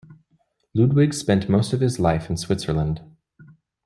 Ludwig spent most of his life in Switzerland.